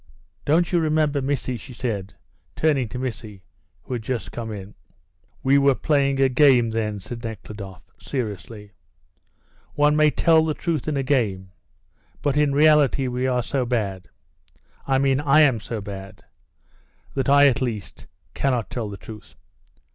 Don't you remember, Missy?" she said, turning to Missy, who had just come in. "We were playing a game then," said Nekhludoff, seriously; "one may tell the truth in a game, but in reality we are so bad I mean I am so bad that I, at least, cannot tell the truth."